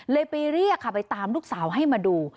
ไปเรียกค่ะไปตามลูกสาวให้มาดู